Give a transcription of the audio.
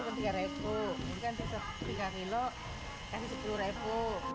ini kan tiga kilo kasih sepuluh ribu